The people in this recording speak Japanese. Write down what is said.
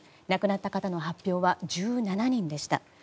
亡くなった方の発表は１７人でした。